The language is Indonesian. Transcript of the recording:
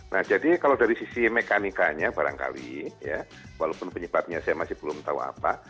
nah jadi kalau dari sisi mekanikanya barangkali walaupun penyebabnya saya masih belum tahu apa